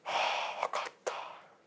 分かった。